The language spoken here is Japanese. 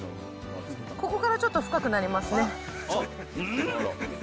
ここからちょっと深くなりますね。